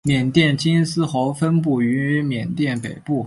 缅甸金丝猴分布于缅甸北部。